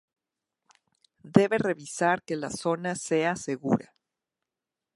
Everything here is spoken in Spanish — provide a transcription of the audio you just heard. Debe revisar que la zona sea segura.